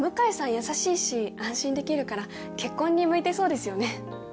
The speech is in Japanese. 優しいし安心できるから結婚に向いてそうですよね。